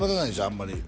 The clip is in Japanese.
あんまり